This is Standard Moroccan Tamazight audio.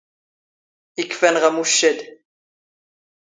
ⵉⴽⴼⴰ ⴰⵏⵖ ⴰⵎⵓⵛⵛ ⴰⴷ.